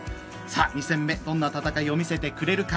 ２戦目、どんな戦いを見せてくれるのか。